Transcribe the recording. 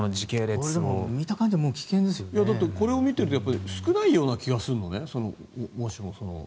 これを見ていると少ないような気がするのね。